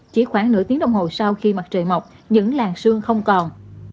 chỉ khoảng nửa tiếng đồng hồ sau khi mặt trời mọc những làng xương không còn